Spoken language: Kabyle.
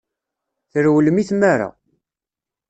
Trewlem i tmara.